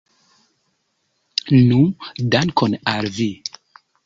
Nu, dankon al vi!